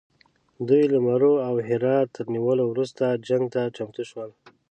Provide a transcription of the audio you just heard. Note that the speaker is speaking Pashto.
دوی له مرو او هرات تر نیولو وروسته جنګ ته چمتو شول.